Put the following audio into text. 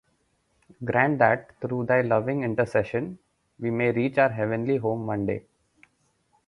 Grant that, through thy loving intercession, we may reach our heavenly home one day.